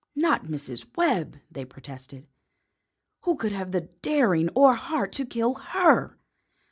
"Not Mrs. Webb!" they protested. "Who could have the daring or the heart to kill HER?"